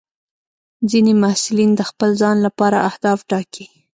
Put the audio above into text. ځینې محصلین د خپل ځان لپاره اهداف ټاکي.